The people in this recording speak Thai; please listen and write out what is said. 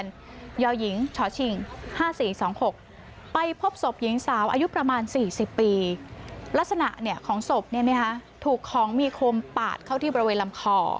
ลักษณะของศพถูกของมีคมปาดเข้าที่บริเวณลำคอ